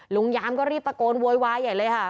ลุงย้ามก็รีบประโกนววยวายใหญ่เลยค่ะ